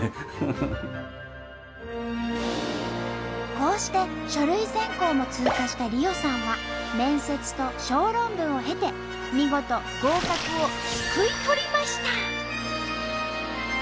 こうして書類選考も通過した莉緒さんは面接と小論文を経て見事合格をすくい取りました！